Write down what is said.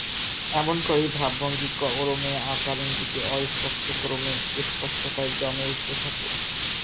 এমন করেই ভাবভঙ্গি ক্রমে আকার-ইঙ্গিতে, অস্পষ্ট ক্রমে স্পষ্টতায় জমে উঠতে থাকে।